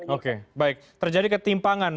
oke baik terjadi ketimpangan